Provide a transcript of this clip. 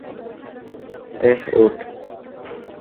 এই, উঠ।